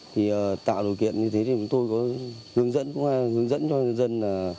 và tạo điều kiện như thế thì chúng tôi có hướng dẫn cho nhân dân